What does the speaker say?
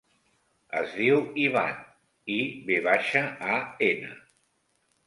Es diu Ivan: i, ve baixa, a, ena.